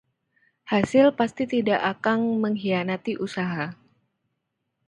Hasil pasti tidak akang mengkhianati usaha.